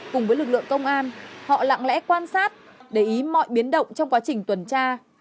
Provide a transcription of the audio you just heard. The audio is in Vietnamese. cùng với lực lượng công an họ lặng lẽ quan sát để ý mọi biến động trong quá trình tuần tra